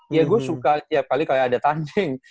iya gue suka tiap kali kayak ada tanjeng